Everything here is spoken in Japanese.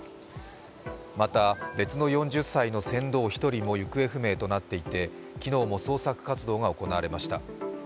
また別の４０歳の船頭１人も行方不明となっていて昨日も捜索活動が行われました。